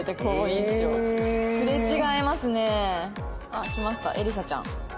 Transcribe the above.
あっきましたえりさちゃん。